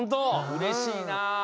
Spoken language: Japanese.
うれしいな。